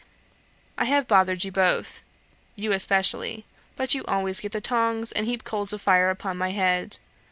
I have bothered you both you especially; but you always get the tongs and heap coals of fire upon my head.